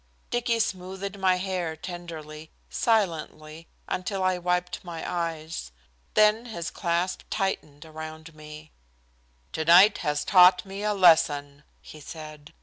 Dicky smoothed my hair tenderly, silently, until I wiped my eyes. Then his clasp tightened around me. "Tonight has taught me a lesson," he said.